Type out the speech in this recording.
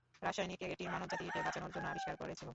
রাসায়নিক, এটি মানব জাতিকে বাঁচানোর জন্য আবিষ্কার করেছিল।